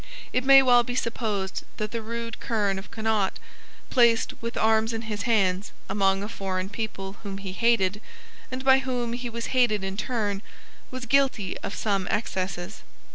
It may well be supposed that the rude kerne of Connaught, placed, with arms in his hands, among a foreign people whom he hated, and by whom he was hated in turn, was guilty of some excesses.